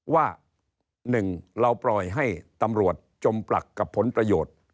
ว่า๑เราปล่อยให้ตำรวจจมปลักกับผลประโยชน์